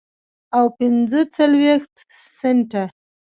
او پنځه څلوېښت سنټه